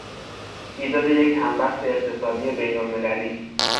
ایجاد یک همبست اقتصادی بین المللی